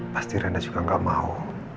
pasti rendah juga nggak mau